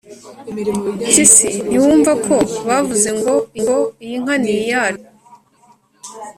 mpyisi ntiwumva ko bavuze ngo iyi nka ni iyacu?